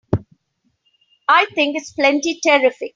I think it's plenty terrific!